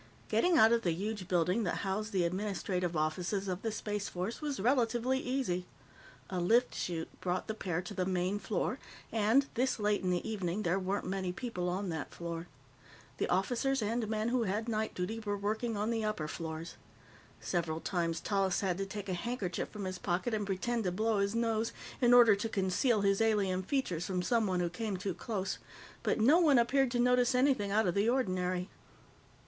Getting out of the huge building that housed the administrative offices of the Space Force was relatively easy. A lift chute brought the pair to the main floor, and, this late in the evening, there weren't many people on that floor. The officers and men who had night duty were working on the upper floors. Several times, Tallis had to take a handkerchief from his pocket and pretend to blow his nose in order to conceal his alien features from someone who came too close, but no one appeared to notice anything out of the ordinary.